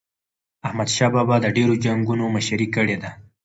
احمد شاه بابا د ډیرو جنګونو مشري کړې ده.